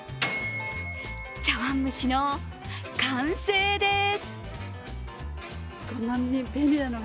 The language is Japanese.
茶わん蒸しの完成です。